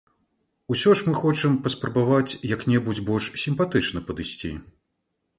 Усё ж мы хочам паспрабаваць як-небудзь больш сімпатычна падысці.